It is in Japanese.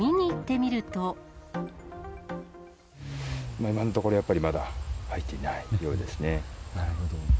きょう、今のところ、やっぱりまだ入っていないようですね。